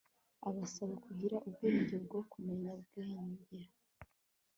abasaba kugira ubwenge bwo kumenya kwegera